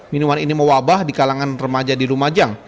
minuman ini mewabah di kalangan remaja di lumajang